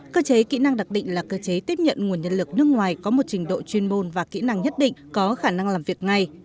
cơ chế kỹ năng đặc định là cơ chế tiếp nhận nguồn nhân lực nước ngoài có một trình độ chuyên môn và kỹ năng nhất định có khả năng làm việc ngay